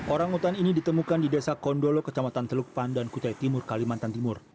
orang utan ini ditemukan di desa kondolo kecamatan teluk pandan kutai timur kalimantan timur